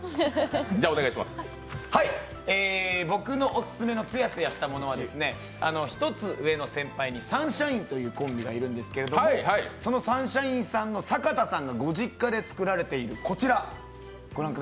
僕のオススメのツヤツヤしたものは１つ上の先輩にサンシャインというコンビがいるんですけど、そのサンシャインさんのご実家で作られている、こちら。